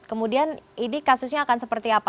kemudian ini kasusnya akan seperti apa